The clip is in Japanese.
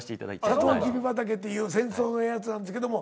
『さとうきび畑』っていう戦争のやつなんですけども。